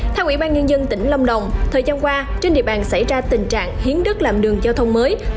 theo ủy ban nhân dân tỉnh lâm đồng thời gian qua trên địa bàn xảy ra tình trạng hiến đất làm đường giao thông mới